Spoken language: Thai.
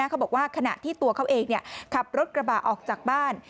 เขาบอกว่าขณะที่ตัวเขาเองขับรถกระบะออกจากบ้าน